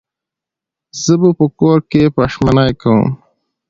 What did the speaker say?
زه به په کور کې پیشمني کوم